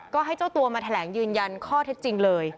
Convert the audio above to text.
ก็ให้เจ้าตัวมาแถลงยืนยันข้อเท็จจริงเลย